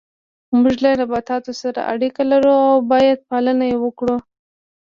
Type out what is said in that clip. موږ له نباتاتو سره اړیکه لرو او باید پالنه یې وکړو